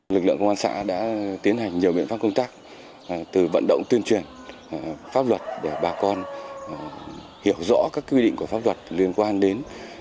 lực lượng công an xã đã tiến hành nhiều biện pháp công tác từ vận động tuyên truyền pháp luật để bà con hiểu rõ các quy định của pháp luật liên quan đến